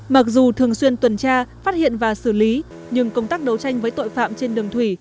mặc dù thường xuyên tuần tra phát hiện và xử lý nhưng công tác đấu tranh với tội phạm trên đường thủy